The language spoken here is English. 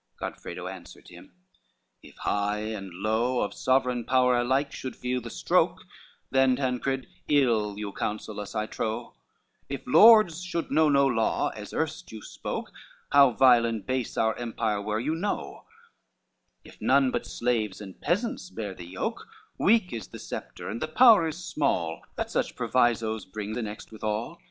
XXXVII Godfredo answered him; "If high and low Of sovereign power alike should feel the stroke, Then, Tancred, ill you counsel us, I trow; If lords should know no law, as erst you spoke, How vile and base our empire were you know, If none but slaves and peasants bear the yoke; Weak is the sceptre and the power is small That such provisos bring annexed withal.